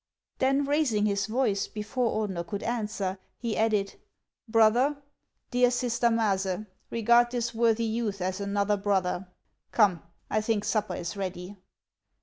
Then, raising his voice, before Ordener could answer, he added :" Brother, dear sister Maase, regard this worthy youth as another brother. Come, I think supper is ready."